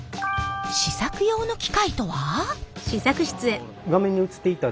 試作用の機械とは？